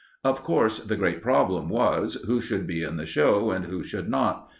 Of course, the great problem was, who should be in the show and who should not.